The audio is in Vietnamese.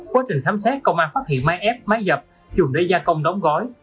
quá trình khám xét công an phát hiện máy ép máy dập dùng để gia công đóng gói